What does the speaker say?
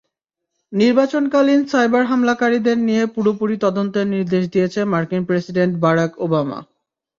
নির্বাচনকালীন সাইবার হামলাকারীদের নিয়ে পুরোপুরি তদন্তের নির্দেশ দিয়েছেন মার্কিন প্রেসিডেন্ট বারাক ওবামা।